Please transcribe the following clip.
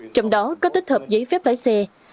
trong đó có tích hợp giấy phép lái xe